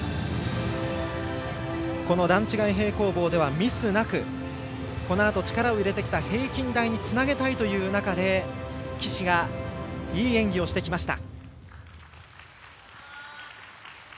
段違い平行棒ではミスなくこのあと力を入れてきた平均台につなげたい中で岸が、いい演技をしてきました。